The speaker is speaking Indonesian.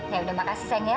ya udah makasih sayang ya